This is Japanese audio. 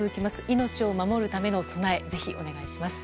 命を守るための備えぜひ、お願いします。